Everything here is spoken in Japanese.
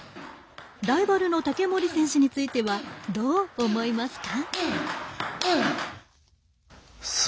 ライバルの竹守選手についてはどう思いますか。